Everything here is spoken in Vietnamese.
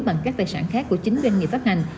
bằng các tài sản khác của chính doanh nghiệp phát hành